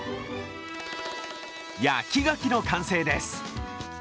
焼き柿の完成です。